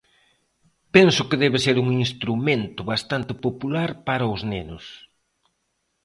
Penso que debe ser un instrumento bastante popular para os nenos.